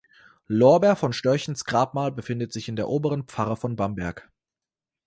Lorber von Störchens Grabmal befindet sich in der Oberen Pfarre von Bamberg.